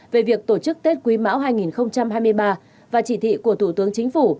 về việc tổ chức tết quý mão hai nghìn hai mươi ba và chỉ thị của thủ tướng chính phủ